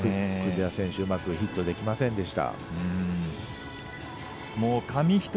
国枝選手うまくヒットできませんでした。